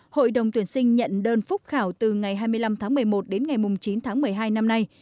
hội đồng tuyển sinh nhận đơn phúc khảo từ ngày hai mươi năm tháng một mươi một đến ngày chín tháng một mươi hai năm nay